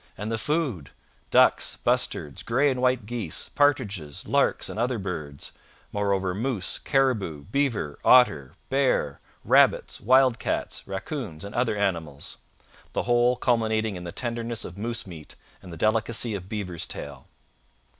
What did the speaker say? And the food! 'ducks, bustards, grey and white geese, partridges, larks, and other birds; moreover moose, caribou, beaver, otter, bear, rabbits, wild cats, racoons, and other animals,' the whole culminating in the tenderness of moose meat and the delicacy of beaver's tail.